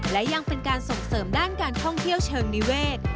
และยังเป็นการส่งเสริมด้านการท่องเที่ยวเชิงนิเวศ